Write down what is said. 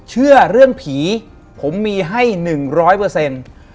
เชื่อเรื่องผีผมมีให้หนึ่งร้อยเปอร์เซ็นต์